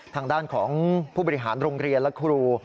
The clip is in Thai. ทางด้านของผู้บริหารโรงเรียนและครู